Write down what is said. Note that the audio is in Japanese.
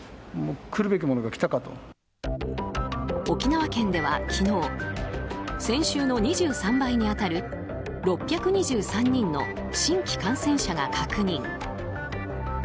沖縄県では昨日先週の２３倍に当たる６２３人の新規感染者が確認。